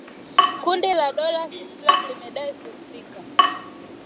Kundi la dola ya Kiislamu limedai kuhusika